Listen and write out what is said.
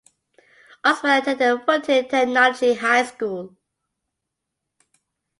Osman attended Foothill Technology High School.